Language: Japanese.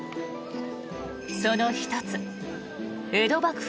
その１つ、江戸幕府